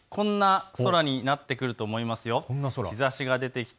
ずばり、こんな空になってくると思います。